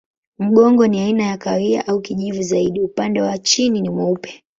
Mgongo ni aina ya kahawia au kijivu zaidi, upande wa chini ni mweupe.